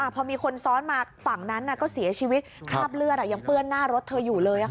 พอมีคนซ้อนมาฝั่งนั้นก็เสียชีวิตคราบเลือดยังเปื้อนหน้ารถเธออยู่เลย